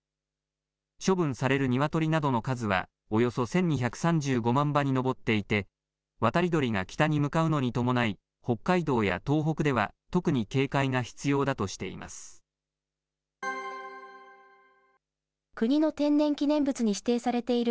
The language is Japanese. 処分されるニワトリなどの数はおよそ１２３５万羽に上っていて、渡り鳥が北に向かうのに伴い、北海道や東北では特に警戒が必要だとしています。